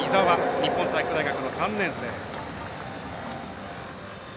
日本体育大学の３年生。